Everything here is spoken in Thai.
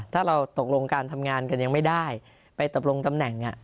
ถ้าเราตกลงการทำงานกันยังไม่ได้ไปตกลงตำแหน่ง